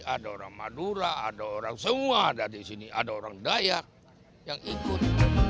ada orang madura ada orang semua ada di sini ada orang dayak yang ikut